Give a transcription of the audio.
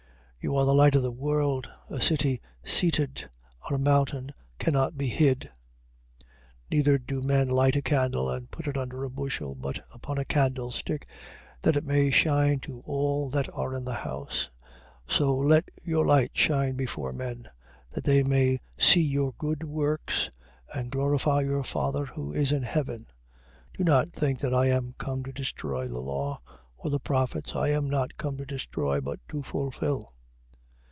5:14. You are the light of the world. A city seated on a mountain cannot be hid. 5:15. Neither do men light a candle and put it under a bushel, but upon a candlestick, that it may shine to all that are in the house. 5:16. So let your light shine before men, that they may see your good works, and glorify your Father who is in heaven. 5:17. Do not think that I am come to destroy the law, or the prophets. I am not come to destroy, but to fulfil.